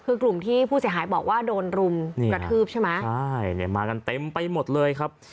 คือกลุ่มที่ผู้เสียหายบอกว่าโดนรุมกระทืบใช่ไหมใช่เนี่ยมากันเต็มไปหมดเลยครับ